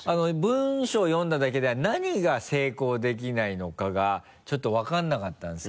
文章読んだだけでは何が成功できないのかがちょっと分からなかったんですけれども。